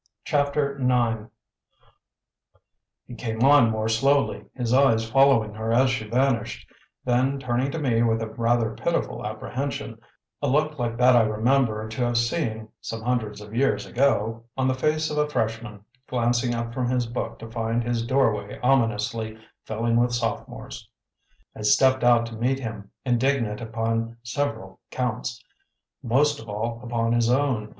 CHAPTER IX He came on more slowly, his eyes following her as she vanished, then turning to me with a rather pitiful apprehension a look like that I remember to have seen (some hundreds of years ago) on the face of a freshman, glancing up from his book to find his doorway ominously filling with sophomores. I stepped out to meet him, indignant upon several counts, most of all upon his own.